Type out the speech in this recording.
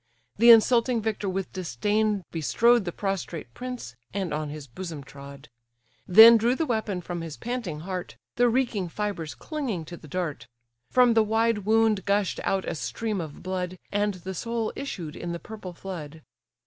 The insulting victor with disdain bestrode The prostrate prince, and on his bosom trod; Then drew the weapon from his panting heart, The reeking fibres clinging to the dart; From the wide wound gush'd out a stream of blood, And the soul issued in the purple flood.